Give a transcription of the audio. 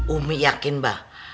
ummi yakin bah